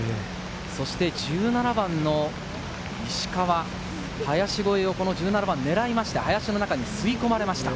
そして１７番の石川、林越えを１７番、狙いまして林の中に吸い込まれました。